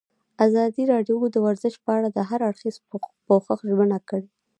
ازادي راډیو د ورزش په اړه د هر اړخیز پوښښ ژمنه کړې.